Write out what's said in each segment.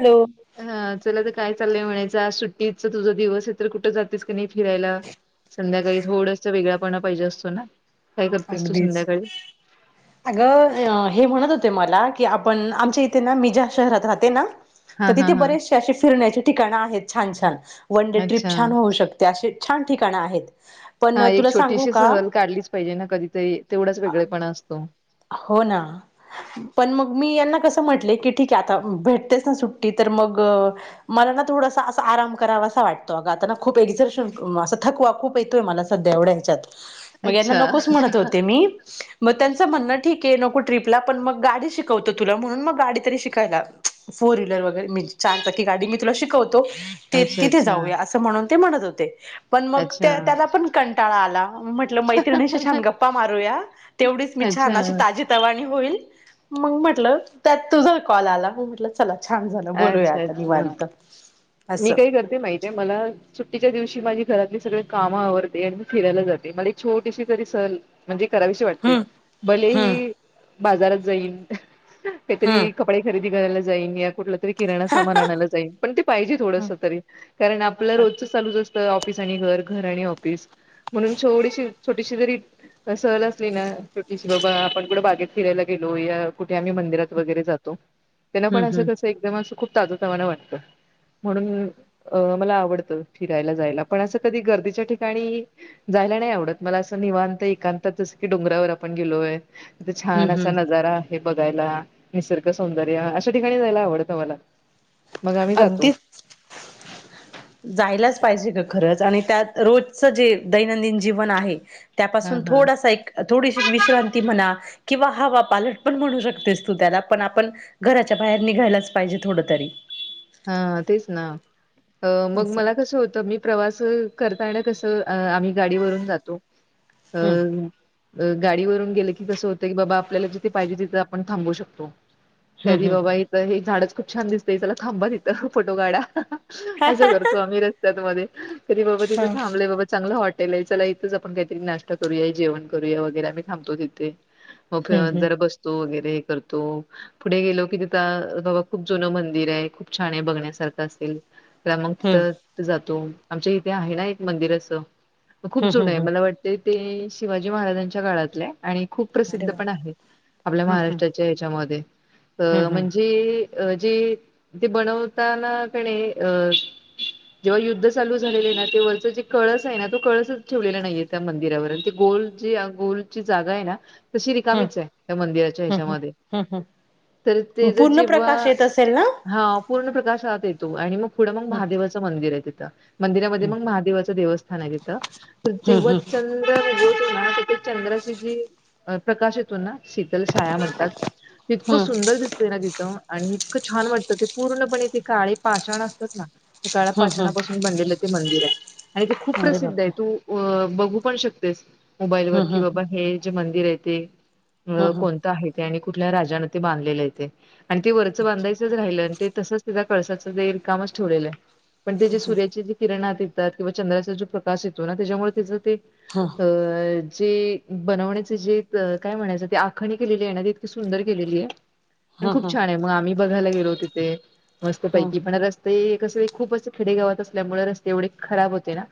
Hello. हा चला तर काय चाललंय म्हणायचं. आज सुट्टीच तुझं दिवस आहे तर कुठं जातेस काय नाही फिरायला. संध्याकाळी थोडंस वेगळापणा पाहिजे असतोना. अगदीच. [inaudible] अगं हे म्हणतहोते मला की आपण आमच्या इथे ना मी ज्या शहरात राहते ना हा हा तरतिथे हा बरेचसेअसे फिरण्याची ठिकाणं आहेत छान छान वन्डे ट्रीप अच्छा. छान होऊ अशी छान ठिकाणं आहेत. हं पण तुला सांगू एकछोटीशी का? सहल काढलीच पाहिजेना कधीतरी तेवढाच वेगळेपण असतो. हो ना. पण मग मीयांना कसं म्हटले की ठीकआहे आता भेटतेचं ना सुट्टी तर मग मलाना थोडसा असा आराम करावा असा वाटतो अगं आता खूप एडिझर्शन असं थकवा खूप येतोय मला सध्या एवढ्या ह्याच्यात म यांना अच्छा नकोच म्हणत होते मी म त्यांच्- म्हणणं ठीके नको ट्रिपला पण मग गाडी शिकवतो तुला म्हणून मग गाडी तरी शिकायला फोर व्हीलर वगैरे मी् चार चाकी गाडी मी तुला शिकवतो ते अच्छा तिथे अच्छा जाऊया असं म्हणून ते म्हणत होते, पण मग अच्छा. त्या त्याला पण कंटाळा आला म्हट् -ल मैत्रिणीशी छान गप्पा मारूया तेवढीच मी छान अच्छा अशी ता -जीतवाणी होईल मंग म्हटलं त्यात तुझा कॉल आला म म्हटलं चला छान झालं बोलूया अच्छा आता निवांत असं. मायतीए मला सुट्टीच्या दिवशी माझी घरातली सगळी कामं आवरते आणि मी फिरायला जाते मला एक छोटीशी तरी सहल् म्हणजे कराविशी वाटते हम्म भले हम्म ही बाजारात जाईन हम्म काईतरी क् -पडे खरेदी करायला जाईन या कुठलं किराना सामान आणायला जाईल पण ते पाहिजे हम्म थोडंस तरी कारण आपलं रोजच चालूच अस् ऑफिस आणि घर, घर आणि ऑफिस म्हणून छोडशी छोटीशी जरी सहल असली ना छोटीशी बाबा आपण कुठे बागेत फिरायला गेलोय, कुठे आम्ही मंदिरात वगैरे जातो. त्यानं हम्म पण असं हम्म कसं एकदम असं खूप ताजंतवानं वाटतं. म्हणून अ मला आवडतं फिरायला जायला पणअसं कधी गर्दीच्या ठिकाणी जायला नाई आवडत मला असं निवांत एकांतात जसं की डोंगरावर आपण गेलोय. तिथे हम्म छान असा हम्म नजारा आहे बघायला निसर्ग सौंदर्य अशा ठिकाणी जायला आवड -तं मला. मग आम्ही अगदी [inaudible] जायलाच पाहिजे ग खरंच आणि त्यात रोजचं जे दैनंदिन जीवन आहे. हा त्यापासून हा थोडासा एक थोडीशी विश्रांती म्हणा किंवा हवा पालट पण म्हणू शकतेस तू त्याला पण आपण घराच्या बाहेर निघायलाच पायजे थोडं तरी. हा तेच ना मग असं मला कसं होतं मी प्रवास करताना कसं अ आम्ही गाडीवरून जातो अ हम्म गाडीवरून गेले की कसं होतं की बाबा आपल्याला जिथे पायजे तिथे आपण थांबू शकतो. हम्म कधी हम्म बाबा इथं हे झाडचं खूप छान दिसतंय चला थांबा तथं फोटो काढा. हा असं हा करतो आम्ही रस्त्यात मधे, तरी बाबा तिथे हा थांबलेय बाबा चांगलं हॉट चला इथंच आपण काईतरी नाश्टा करूया, जेवण करूया वगैरे आम्ही थांबतो तिथे. होे हम्म का हम्म जरा बस् -तो वगैरे करतो पुढे गेलो की तिथं बाबा खूप जुनं मंदिराय खूप छाने बघण्यासारखं असेल तर मंग हम्म तिथं जातो आमच्या इथे आहे ना एक मंदिर असं खूप हम्म हम्म जुनय हम्म मला वाट् ते ते शिवाजी महाराजांच्या काळातले आणि खूप अरे प्रसिद्ध वा पण आहे आपल्या हम्म हम्म महाराष्ट्रा -च्या याच्यामध्ये अ हम्म हम्म म्हणजे अ जे ते बनवताना कने अ जेव्हा युद्ध चालू झालेले ना ते वरचं जे कळसाय ना तो कळसच ठेवलेला नाईए. त्या मंदिरावर अन ते गोलची अं गोलची जागाय ना तशी हम्म रिकामीचे त्या मंदिराच्या हम्म ह्याच्यामध्ये हम्म हम्म तर ते जे जेव्हा तर ना हा पूर्ण प्रकाश आत येतो आणि मग पुढं मग हम्म महादेवाचं मंदिराय तिथं. मंदिरामध्ये मंग महादेवाचं देवस्थानाय तिथं तर हम्म जेव हम्म चल्- [inaudible] चंद्राची जी प्रकाशित शीतल शाया म्हणतात इतक हम्म सुंदर दिसतय ना तिथ आणि इतक छान वाट तर ते पूर्णपणे ते काळे पाषाण असतात ना. काळ्या हम्म हम्म पाषाणापासून बनलेल ते मंदिर आहे आणि ते खूप अरे प्रसिद्ध आहे बापरे! तू अ बघू पण शकतेस हम्म मोबाईलवर की हम्म बाबा हे जे मंदिर आहे ते अ हम्म कोणत आहे ते आणि कुठल्या राजान ते बांधलेल आहे ते आणि ते वरच बांधायच राहिल ते तसच कळसाच रिकामच ठेवलेल आहे पण ते जे सूर्याचे किरणात येतात किंवा चंद्राचा जो प्रकाश येतो ना त्याच्यामुळे त्याच ते हां अ जे बनवण्याचे जे काय म्हणायच ते आखणी केलेली आहे ना त इतकी सुंदर केलेली आहे. पण हम्म हम्म खूप छान आहे मग आम्ही बघायला गेलो तिथे मस्त हम्म हम्म पैकी पण [unintelligible] ते कसं खूपच खेडेगावात असल्यामुळे रस्ते एवढे खराब होते ना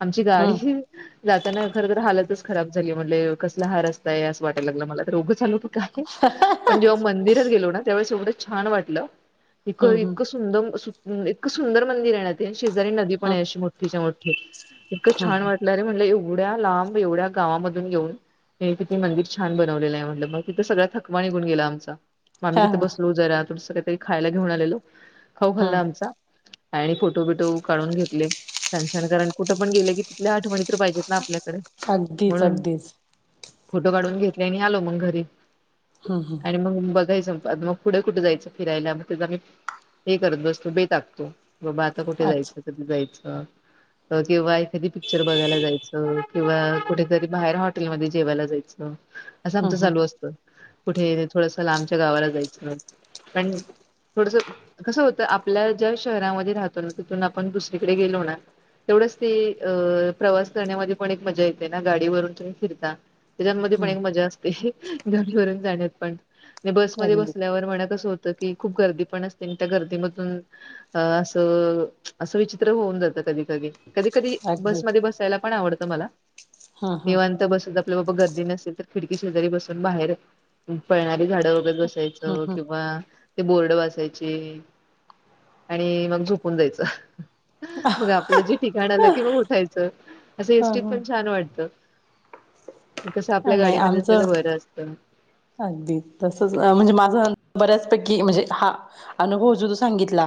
आमची गाडीही जाताना खर तर हालतच खराब झाली म्हणजे कसला हा रस्ता आहे असं वाटायला लागला मला तर उघच च आलो की काय पण जेव्हा मंदिरात गेलो ना त्यावेळेस एवढ छान वाटल. इकं हम्म हम्म इतक सुंदर इतक सुंदर मंदिर आहे. ते शेजारी नदी पण आहे हम्म अशी मोठीच्या मोठी इतक छान हम्म वाटल. म्हटल एवढ्या लांब एवढ्या गावामधून येऊन. हे किती मंदिर छान बनवलेल आहे म्हटल मग तिथ सगळ्या थकवा निघून गेला आमचा. म आम्ही हा तिथे बसलो जरा काही तरी खायला घेऊन आलेलो खाऊ हा खाल्ला आमचा. आणि फोटो बिटो काढून घेतले. छान छान कारण कुठ पण गेले की तिथल्या आठवणी तर पाहिजेत ना आपल्याला अगदीच म्हणून अगदीच फोटो काढून घेतले आणि आलो मग घरी. हम्म हम्म आणि मग बघायच मग पुढे कुठे जायच? फिरायला मग त्यात आम्ही हे करत बसतो बेत आखतो बाबा आता कुठे जायच? अच्छा जायच किंवा एखादी पिक्चर बघायला जायच. किंवा कुठेतरी बाहेर हॉटेलमध्ये जेवायला जायच. अस हम्म आमच हम्म चालू असत. कुठे थोडस लांबच्या गावाला जायच पण थोडस कस होत. आपल्या ज्या शहरामध्ये राहतो ना तिथून आपण दुसरीकडे गेलो ना तेवढच ते अ प्रवास करण्यामध्ये पण एक मजा येते ना गाडीवरून तुम्ही फिरता. त्याच्यामध्ये पण हम्म एक मजा असते. गाडीवरून जाण्यात पण, ते बसमध्ये अगदी बसल्यावर म्हणा कस होत की खूप गर्दी पण असते आणि त्या गर्दीमधून अ अस अस विचित्र होऊन जात कधी कधी. कधी कधी अगदी बसमध्ये बसायला पण आवडत मला हा हा निवांत बसून की बाबा गर्दी नसेल तर खिडकी शेजारी बसून बाहेर पळणारी झाड बघत बसायच. हा हा ते बोर्ड वाचायचे आणि मग झोपून जायच. मग आपल जे ठीकाण आल कि मग उठायच. तस हा एसटीत पण हा छान वाटत कस आपल्या नाही गाडीमध्ये असल तर आमचं बर असत. अगदी तसच म्हणजे माझा बऱ्याचपैकी म्हणजे हा अनुभव जो तू सांगितला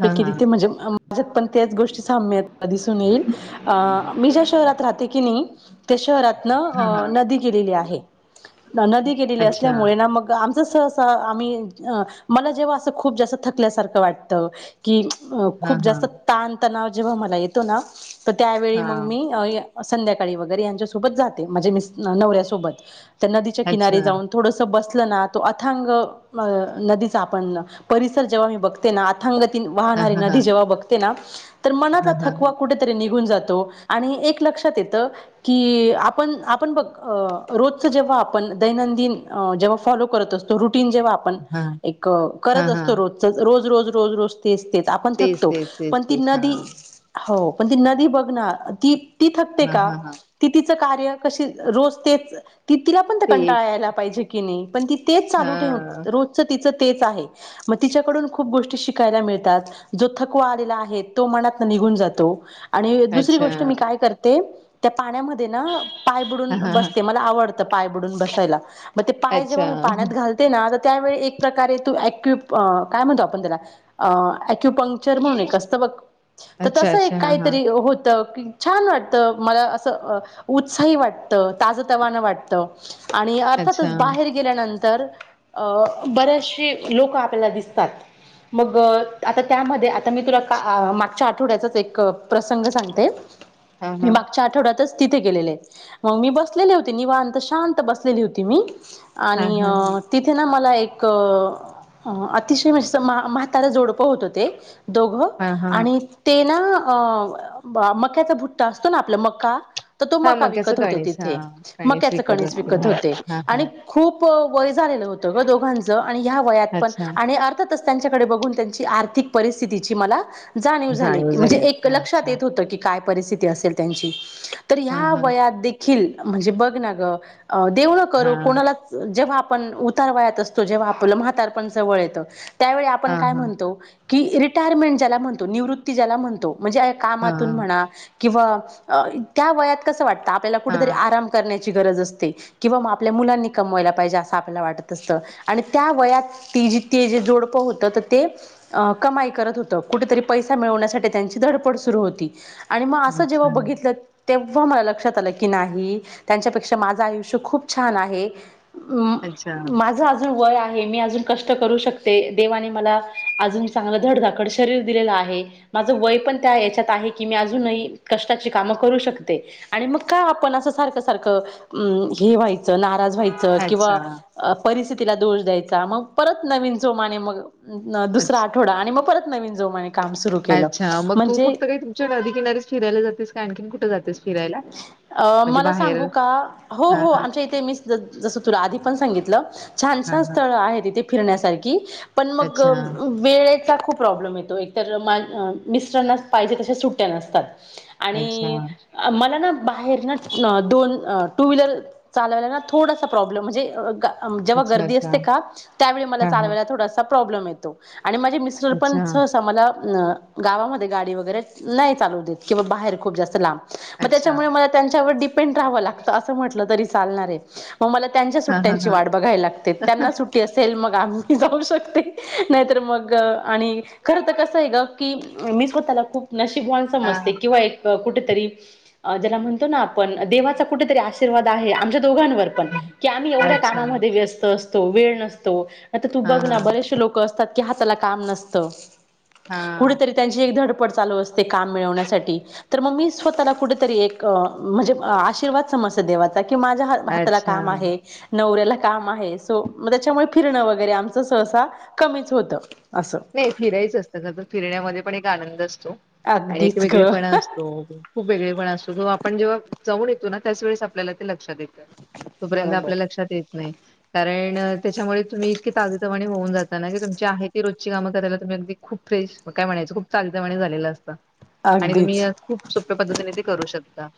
हा हा तिथे म्हणजे माझ्यात पण त्याच गोष्टी साम्य आहेत दिसून येईल अ मी ज्या शहरात राहते की नाही. ते शहरातन हा हा नदी गेलेली आहे. नदी गेलेली अच्छा असल्यामुळे ना मग आम कस अस आम्ही मला जेव्हा अस खूप जास्त थकल्यासारख वाटत. की हा खूप हा जास्त ताणतणाव जेव्हा मला येतो ना तर त्यावेळी हा मग मी मग संध्याकाळी वगैरे यांच्यासोबत जाते म्हणजे मिस नवऱ्यासोबत. त्या नदीच्या अच्छा किनारीे जाऊन थोडस बसलना तो अथांग नदीचा आपण परिसर जेव्हा मी बघत ते अथांग ती हा वाहणारी हा हा नदी जेव्हा बघते ना, तर मनाचा हा थकवा हा कुठेतरी, तरी निघून जातो आणि एक लक्षात येत. की आपण, आपण बघ रोजच जेव्हा, आपण दैनंदिन जेव्हा फॉलो करत असतो. रुटीन जेव्हा आपण हा एक हा करत हा असतो रोज- रोज रोज रोज रोज तेच तेच आपण तेच थकतो तेच तेच पण ती तेच हा नदी, हो. पण ती नदी बघ ना, ती ती थकते हा का? हा हा ति तिचं कार्य कशी रोज तेच ति तिला- पण तेच कंटाळायला पाहिजे की नाही पण ती तेच हा चालू ठेवून रोजच तिच तेच आहे. मग तिच्याकडून खूप गोष्टी शिकायला मिळतात. जो थकवा आलेला आहे, तो मनातन निघून जातो. आणि दुसरी अच्छा गोष्ट मी काय करते, त्या पाण्यामध्ये ना पाय हा बुडून हा हा बसते मला आवडतं. पाय बुडून बसायला मग ते पाय जेव्हा मी अच्छा पाण्यात घाल- त्यावेळी एक प्रकारे ॲक्यु अ काय म्हणतो आपण त्याला ॲक्युपंक- जर्मनिक असतो बघ अच्छा, तस अच्छा. एक हां, हां. काहीतरी होत. छान वाटतं, मला असं उत्साही वाटतं ताजं तवानं वाटतं. आणि अच्छा. अर्थातच बाहेर- गेल्यानंतर अ बऱ्याचशी लोक आपल्याला दिसतात. मग आता त्यामध्ये, आता मी तुला का मागच्या आठवड्याचाच एक प्रसंग सांगते. [inaudible] मी मागच्या आठवड्यातच तिथे गेलेले, मग मी बसलेले होते निवांत. तर शांत बसलेली होती मी हां, आणि हां. अ.. तिथे ना मला एक अतिशय म्हजे म्हातार जोडपं होत ते. दोघं हां, हां. आणि ते ना अ.. मक्याचा भुट्टा असतो ना आपला मका- तर तो हां, मका मक्याचं विकत होते कणीस. हां, तिथे. मक्याचे कणीस असतील. विकत हां, होते हां, हां. आणि- खूप वय झालेलं होतं ग दोघांचं, आणि ह्या वयात पण अच्छा. आणि अर्थ- तसंच त्यांच्याकडे बघून त्यांची आर्थिक परिस्थितीची मला. जाणीव झाली. की म्हणजे एक लक्षात येत होतं की, काय परिस्थिती असेल त्यांची तर हां, ह्या हां. वयात देखील म्हणजे बघ ना ग.. देव ना करो हां. कोणालाच, जेव्हा आपण उतार वयात असतो जेव्हा आपलं म्हातारपण जवळ येतो. त्यावेळी आपण हां, काय हां. म्हणतो, की रिटायरमेंट ज्याला म्हणतो निवृत्ती ज्याला म्हणतो म्हणजे त्या- कामातून हां, म्हणा किंवा अ.. त्या वयात कस वाटतं आपल्याला कुठे तरी हां. आराम- करण्याची गरज असते. किंवा मग आपल्या मुलांनी कमवायला पाहिजे असं आपल्याला वाटत असतं आणि त्या वयात - ती जि ते जे जोडपं होत तर ते - अ कमाई करत होत. कुठेतरी पैसा मिळवण्यासाठी त्यांची धडपड सुरू होती. आणि मग असं जेव्हा अच्छा, बघितलं तेव्हा मला लक्षात आलं की नाही त्यांच्यापेक्षा माझ - आपल आयुष्य खूप छान आहे. म अच्छा, माझं आज- अजून वय आहे, मी अजून कष्ट करू शकते देवाने मला- अजून चांगलं धडधाकड शरीर दिलेलं आहे. माझ वय पण त्या हाच्यात आहे की मी अजूनही कष्टाची कामं करू शकते. आणि मग का आपण असं सारखं सारखं अं हे व्हायचं नाराज व्हायचं किंवा अच्छा, - परिस्थितीला दोष द्यायचा. मग परत नवीन जोमाने मग अच्छ दुसरा - थोडा आणि मग परत नवीन जोमाने. काम सुरू- केलं अच्छा मग तू म्हणजे फक्त काही तुमच्या नदी किनारीस फिरायला जातेस का आणखीन कुठे जातेस फिरायला? अ म्हणजे मला बाहेर सांगू का हो - हो हां, हो हां. आमच्या इथे मी जस तुला आधी पण सांगितलं छान हां, छान हां. स्थळ आहे इथे फिरण्यासारखी पण मग अच्छा, वेळेचा खूप प्रॉब्लेम येतो एकतर मिस्टरांना पाहिजे तश्या सुट्ट्या नसतात. अच्छा, आणि मला ना बाहेर ना दोन ह टू व्हीलर चालवायला ना थोडासा प्रॉब्लेम म्हणजे ग- जेव्हा अच्छा, गर्दी अच्छा. असते का त्यावेळी मला हां, हां. चालायला थोडा प्रॉब्लेम येतो आणि माझे मिस अच्छा, [unintelligible] मला गावामध्ये गाडी वगैरे नाही चालू देत किंवा बाहेर खूप जास्त लांब. मग अच्छा. त्याच्यामुळे मला त्यांच्यावर डिपेंड राहव लागत अस म्हटलं तरी चालणार आहे. मग मला त्यांच्या हां, हां, सुट्ट्यांची हां. वाट बघायला लागते त्यांना सुट्टी असेल मग आम्ही - जाऊ शकते नाहीतर मग आणि खरं तर कसं आहे ग की मी स्वतःला खूप - नशिबवान हां, हां. समजते किंवा एक कुठेतरी ज्याला म्हणतो ना आपण देवाचा - कुठतरी आशीर्वाद आहे आमच्या दोघांवर पण की आम्ही एवढ्या अच्छा कामा व्यस्त असतो. वेळ नसतो आता तू हा बघ हा ना बरेचसे लोक असतात की हाताला काम नसत. हा कुठेतरी त्यांची एक धडपड चालू असते काम मिळवण्यासाठी. तर मग मी स्वतःला कुठेतरी एक म्हणजे आशीर्वाद - म देवा की माझ्या हाताला अच्छा काम आहे. नवऱ्याला काम आहे सो मग त्याच्यामुळे फिरणं वगैरे आमचं सहसा कमीच होतं असं. नाही फिरायच असतं खर तर फिरण्यामध्ये पण एक आनंद असतो आणि एक अगदीच ग वेगळेपणा असतो. तो खूप वेगळेपण असतो तो आपण जेव्हा जाऊन येतो ना त्याच वेळेस आपल्याला ते लक्षात येतो. तोपर्यंत बरोबर आपल्या लक्षात येत - नाही कारण त्याच्यामुळे तुम्ही इतकी ताजेतवाने होऊन जाता ना की तुमची आहे ती रोज - का करायला तुम्ही. अगदी खूप फ्रेश काय म्हणायच खूप ताजेतवाने झालेलं असतां आणि तुम्ही अगदीच खूप - सोप्या पद्धतीने ते करू शकता.